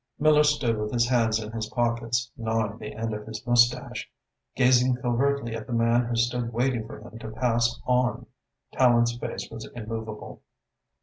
Miller stood with his hands in his pockets, gnawing the end of his moustache, gazing covertly at the man who stood waiting for him to pass on. Tallente's face was immovable.